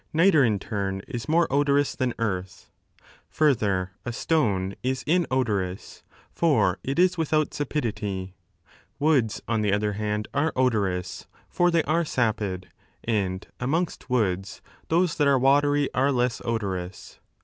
Nitre, in turn, is more odorous than earth. Further, a stone is inodorous, for it is without sapidity ; woods, on the other hand, are odorous, for they are sapid, and amongst woods those that are watery are less odorous.